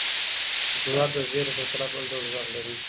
زور د زېر په پرتله بل ډول ږغ لري.